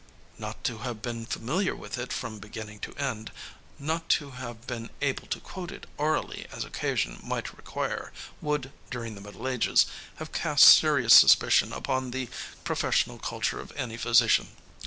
"Not to have been familiar with it from beginning to end, not to have been able to quote it orally as occasion might require, would, during the Middle Ages, have cast serious suspicion upon the professional culture of any physician."